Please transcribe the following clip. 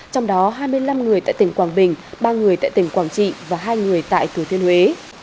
trong đó hai mươi năm người tại tỉnh quảng bình ba người tại tỉnh quảng trị và hai người tại thừa thiên huế